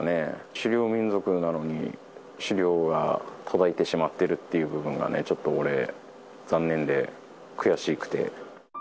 狩猟民族なのに、狩猟が途絶えてしまってるっていう部分が、ちょっと俺、残念で、悔しくて。